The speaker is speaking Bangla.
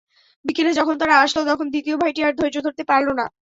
বিকেলে যখন তারা আসল, তখন দ্বিতীয় ভাইটি আর ধৈর্য ধরতে পারল না।